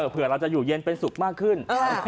เผื่อเราจะอยู่เย็นเป็นสุขมากขึ้น